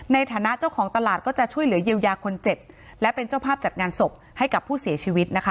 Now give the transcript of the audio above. ในฐานะเจ้าของตลาดก็จะช่วยเหลือเยียวยาคนเจ็บและเป็นเจ้าภาพจัดงานศพให้กับผู้เสียชีวิตนะคะ